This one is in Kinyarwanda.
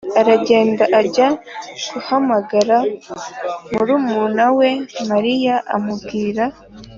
aragenda ajya guhamagara murumuna we Mariya amubwira